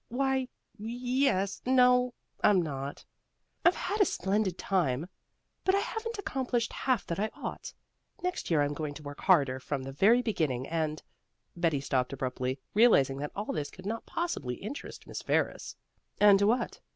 "Why, y es no, I'm not. I've had a splendid time, but I haven't accomplished half that I ought. Next year I'm going to work harder from the very beginning, and " Betty stopped abruptly, realizing that all this could not possibly interest Miss Ferris. "And what?"